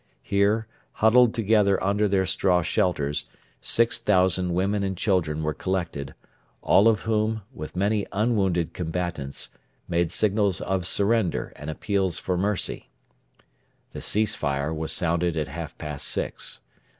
Here, huddled together under their straw shelters, 6,000 women and children were collected, all of whom, with many unwounded combatants, made signals of surrender and appeals for mercy. The 'cease fire' was sounded at half past six.